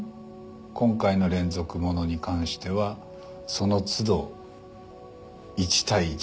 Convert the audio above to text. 今回の連続物に関してはその都度１対１のこう。